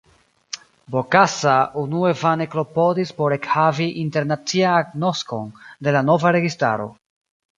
Bokassa unue vane klopodis por ekhavi internacian agnoskon de la nova registaro.